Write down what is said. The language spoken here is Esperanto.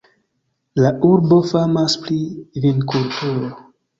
La urbo famas pri vinkulturo.